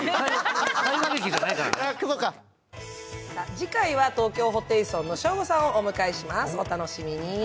次回は東京ホテイソンのショーゴさんをお迎えします。